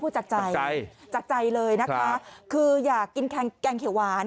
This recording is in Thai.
จากใจจากใจเลยนะคะคืออยากกินแกงเขียวหวาน